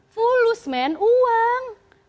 fulus men uang